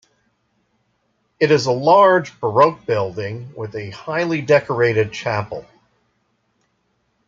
It is a large Baroque building, with a highly decorated chapel.